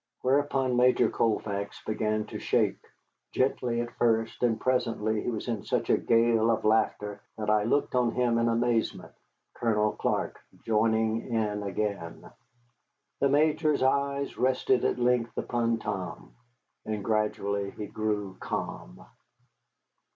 Whereupon Major Colfax began to shake, gently at first, and presently he was in such a gale of laughter that I looked on him in amazement, Colonel Clark joining in again. The Major's eye rested at length upon Tom, and gradually he grew calm.